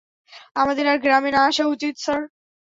আমাদের আর গ্রামে না আসা উচিত, স্যার।